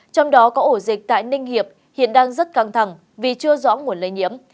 trong đó có ổ dịch tại ninh hiệp hiện đang rất căng thẳng vì chưa rõ nguồn lây nhiễm